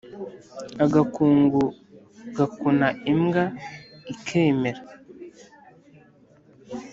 Agakungu gakuna imbwa ikemera